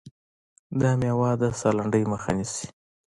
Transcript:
دا مېوه د ساه لنډۍ مخه نیسي.